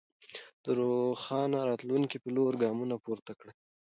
د روښانه راتلونکي په لور ګامونه پورته کړئ.